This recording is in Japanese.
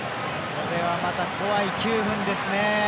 これはまた怖い９分ですね。